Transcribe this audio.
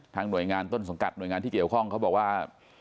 หน่วยงานต้นสังกัดหน่วยงานที่เกี่ยวข้องเขาบอกว่า